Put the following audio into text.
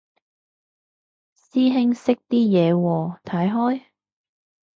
師兄識啲嘢喎，睇開？